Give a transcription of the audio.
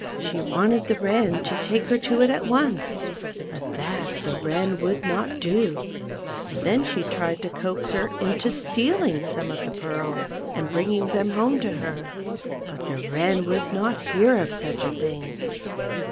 She wanted the Wren to take her to it at once, but that the Wren would not do ; then she tried to coax her into stealing some of the pearls and bringing them home to her, but the Wren would not hear of such a thing.